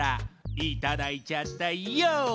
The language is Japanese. いただいちゃったヨー！